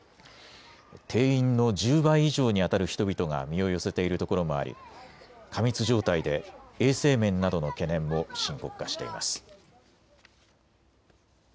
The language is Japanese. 定員の１０倍以上にあたる人々が身を寄せているところもあり過密状態で衛生面などの懸念も深刻化しています。